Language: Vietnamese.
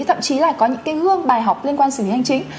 thậm chí là có những cái gương bài học liên quan xử lý hành chính